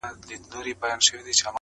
لرغوني خلک کدو هم کرل.